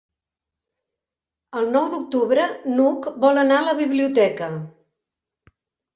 El nou d'octubre n'Hug vol anar a la biblioteca.